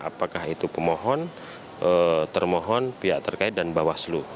apakah itu pemohon termohon pihak terkait dan bawah seluruh